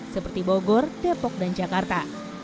seperti bogor depok dan jakarta